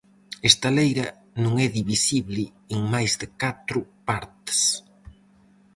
Esta leira non é divisible en máis de catro partes.